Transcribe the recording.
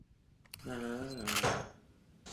若没被记录下来